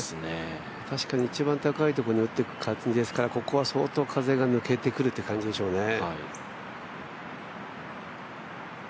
確かに一番高いところに打っていく感じですからここは相当風が抜けてくるという感じでしょうね。